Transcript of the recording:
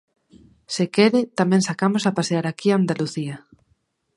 Se quere tamén sacamos a pasear aquí Andalucía.